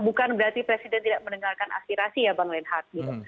bukan berarti presiden tidak mendengarkan aspirasi ya bang lenhat gitu